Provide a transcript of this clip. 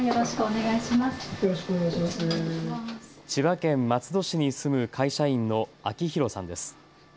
千葉県松戸市に住む会社員の明宏さんです。